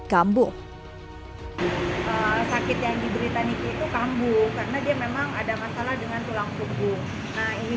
kambuh sakit yang diberitaniki itu kambuh karena dia memang ada masalah dengan tulang punggung nah ini